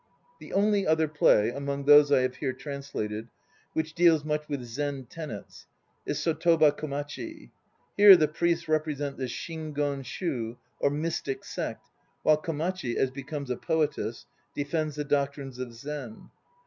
The only other play, among those I have here translated, which deals much with Zen tenets, is Sotoba Komachi. Here the priests represent the Shingon Shu or Mystic Sect, while Komachi, as becomes a poetess, defends the doctrines of Zen.